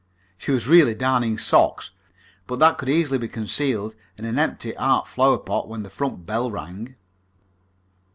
She was really darning socks, but they could easily be concealed in an empty art flower pot when the front bell rang.